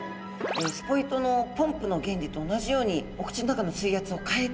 スポイトのポンプの原理と同じようにお口の中の水圧を変えて吸い込んでるようです。